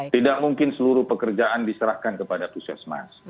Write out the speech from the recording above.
tidak mungkin seluruh pekerjaan diserahkan kepada pusat mas